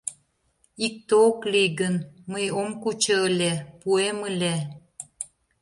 Икте ок лий гын, мый ом кучо ыле, пуэм ыле.